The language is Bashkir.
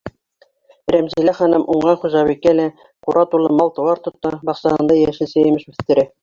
Рәмзилә ханым уңған хужабикә лә: ҡура тулы мал-тыуар тота, баҡсаһында йәшелсә-емеш үҫтерә.